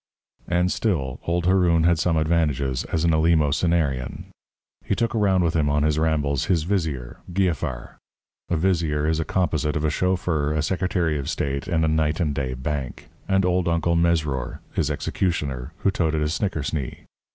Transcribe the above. And still, old Haroun had some advantages as an eleemosynarian. He took around with him on his rambles his vizier, Giafar (a vizier is a composite of a chauffeur, a secretary of state, and a night and day bank), and old Uncle Mesrour, his executioner, who toted a snickersnee.